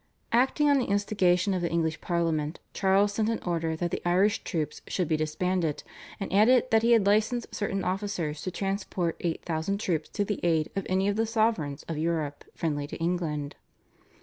Acting on the instigation of the English Parliament, Charles sent an order that the Irish troops should be disbanded, and added that he had licensed certain officers to transport eight thousand troops to the aid of any of the sovereigns of Europe friendly to England.